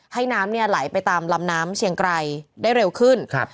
น้ำเนี่ยไหลไปตามลำน้ำเชียงไกรได้เร็วขึ้นครับ